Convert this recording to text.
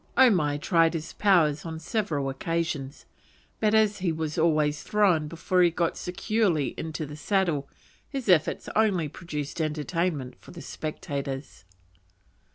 Omai tried his powers on several occasions, but as he was always thrown before he got securely into the saddle, his efforts only produced entertainment for the spectators.